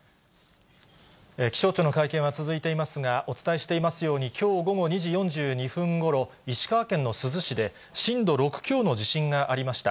気象庁の会見は続いていますが、お伝えしていますように、きょう午後２時４２分ごろ、石川県の珠洲市で震度６強の地震がありました。